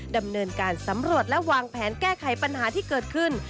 ดำเนินการสำรวจและวางแผนแก้ไขปัญหาที่เกิดขึ้น